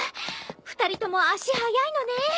２人とも足速いのね。